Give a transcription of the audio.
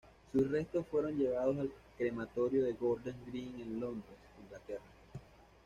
Sus restos fueron llevados al Crematorio de Golders Green en Londres, Inglaterra.